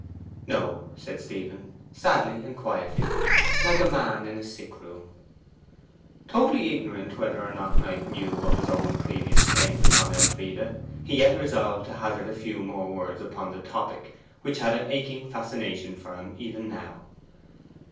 'No,' said Stephen, sadly and quietly, like a man in a sick room. Totally ignorant whether or not Knight knew of his own previous claims upon Elfride, he yet resolved to hazard a few more words upon the topic which had an aching fascination for him even now.